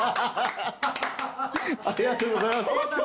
ありがとうございます。